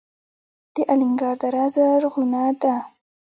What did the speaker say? د الینګار دره زرغونه ده